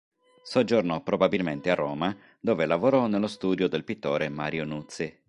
Soggiornò probabilmente a Roma, dove lavorò nello studio del pittore Mario Nuzzi.